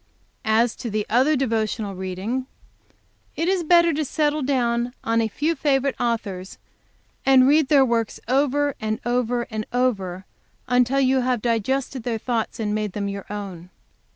"As to the other devotional reading, it is better to settle down on a few favorite authors, and read their works over and over and over until you have digested their thoughts and made them your own.